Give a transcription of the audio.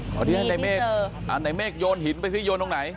ที่ให้ในเมฆในเมฆโยนหินไปสิโยนตรงไหน